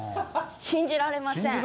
信じられません！